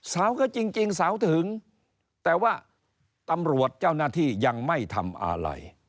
สาวก็จริงสาวถึงแต่ว่าตำรวจเจ้าหน้าที่ยังไม่ทำอะไร